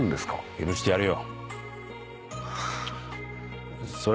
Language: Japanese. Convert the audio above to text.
許してやるよ。